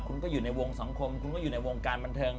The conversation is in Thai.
คุณก็อยู่ในวงสังคมคุณก็อยู่ในวงการบันเทิง